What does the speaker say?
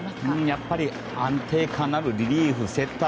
やっぱり安定感のあるリリーフセット